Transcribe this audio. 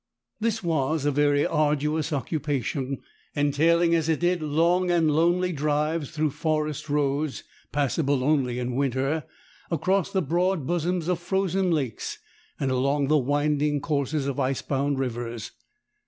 This was a very arduous occupation, entailing as it did long and lonely drives through forest roads, passable only in winter, across the broad bosoms of frozen lakes, and along the winding courses of ice bound rivers.